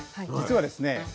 実はですね